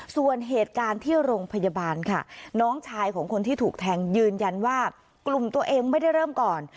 ส่วนเหตุการณ์ที่โรงพยาบาลค่ะน้องชายของคนที่ถูกแทงยืนยันว่ากลุ่มตัวเองไม่ได้เริ่มก่อน